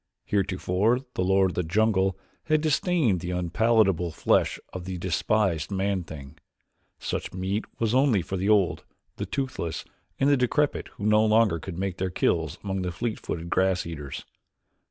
Heretofore the lord of the jungle had disdained the unpalatable flesh of the despised man thing. Such meat was only for the old, the toothless, and the decrepit who no longer could make their kills among the fleet footed grass eaters.